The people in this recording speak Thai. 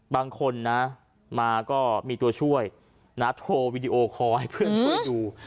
บางคนนะมาก็มีตัวช่วยนะโทรวิดีโอคอลให้เพื่อนช่วยดู